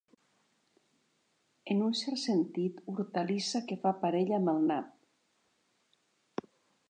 En un cert sentit, hortalissa que fa parella amb el nap.